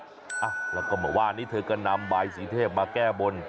แล้วก็เหมือนว่านี้เธอก็นำบายศรีเทพมาแก้บน